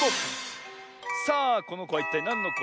さあこのこはいったいなんのこでしょう？